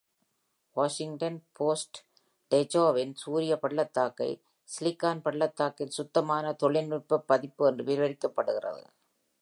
Washington Post டெஜோவின் சூரிய பள்ளத்தாக்கை "சிலிக்கான் பள்ளத்தாக்கின் சுத்தமான தொழில்நுட்ப பதிப்பு" என்று விவரிக்கிறது.